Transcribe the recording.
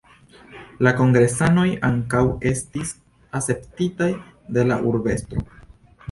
La kongresanoj ankaŭ estis akceptitaj de la urbestro.